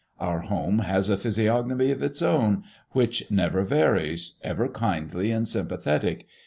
Our home has a physiognomy of its own, which never varies, ever kindly and sympathetic.